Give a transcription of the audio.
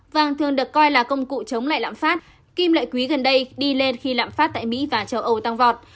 vàng thường được coi là công cụ chống lại lãm phát kim lợi quý gần đây đi lên khi lãm phát tại mỹ và châu âu tăng vọt